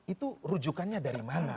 itu rujukannya dari mana